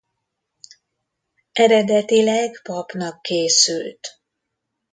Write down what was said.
Eredetileg papnak készült.